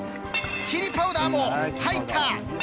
チリパウダーも入った！